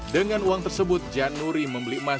dengan uang tersebut jan nuri membeli emas